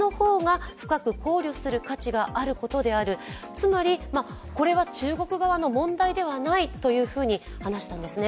つまり、これは中国側の問題ではないと話したんですね。